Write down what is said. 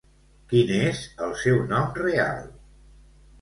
Quin és el seu nom real?